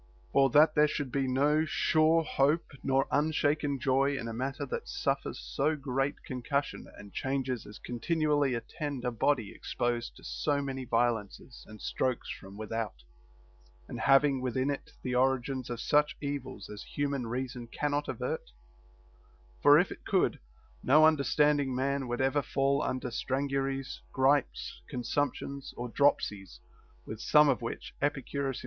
Or that there should be no sure hope nor unshaken joy in a matter that suffers so great concussion and changes as continually at tend a body exposed to so many violences and strokes from without, and having within it the origins of such evils as human reason cannot avert] For if it could, no under standing man would ever fall under stranguries, gripes, consumptions, or dropsies ; with some of which Epicurus ACCORDING TO EPICURUS.